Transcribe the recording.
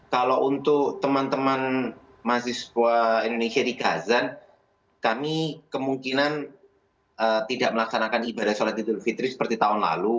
kalau untuk teman teman mahasiswa indonesia di kazan kami kemungkinan tidak melaksanakan ibadah sholat idul fitri seperti tahun lalu